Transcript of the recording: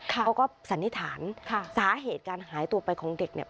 สันนิษฐานสาเหตุการหายตัวไปของเด็กเนี่ย